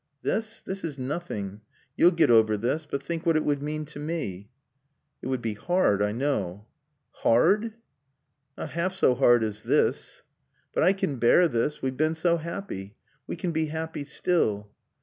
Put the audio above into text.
"This? This is nothing. You'll get over this. But think what it would mean to me." "It would be hard, I know." "Hard?" "Not half so hard as this." "But I can bear this. We've been so happy. We can be happy still."